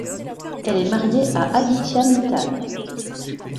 Elle est mariée à Aditya Mittal.